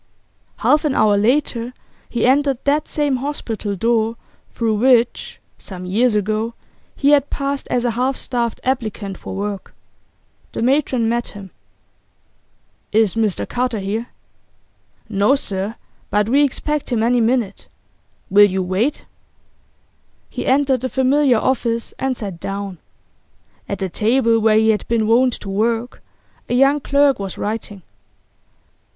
Half an hour later he entered that same hospital door through which, some years ago, he had passed as a half starved applicant for work. The matron met him. 'Is Mr Carter here?' 'No, sir. But we expect him any minute. Will you wait?' He entered the familiar office, and sat down. At the table where he had been wont to work, a young clerk was writing.